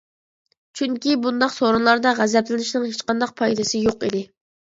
چۈنكى بۇنداق سورۇنلاردا غەزەپلىنىشنىڭ ھېچقانداق پايدىسى يوق ئىدى.